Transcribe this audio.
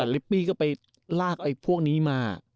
ลิปปี้ก็ไปลากไอ้พวกนี้มา